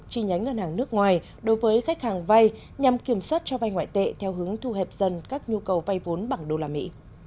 chi nhánh ngân hàng nước ngoài đối với khách hàng vay nhằm kiểm soát cho vay ngoại tệ theo hướng thu hẹp dần các nhu cầu vay vốn bằng đô la mỹ